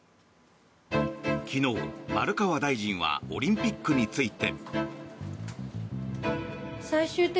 昨日、丸川大臣はオリンピックについて。